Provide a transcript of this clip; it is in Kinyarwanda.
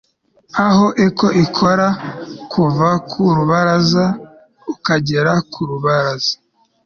Aho echo ikora kuva ku rubaraza kugera ku rubaraza